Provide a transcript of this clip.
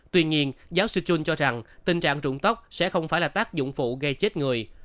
tuy nhiên giáo sư chun cho rằng tình trạng trụng tóc sẽ không phải là tác dụng phụ gây chết người